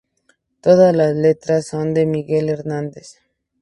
Todas las letras son de Miguel Hernández.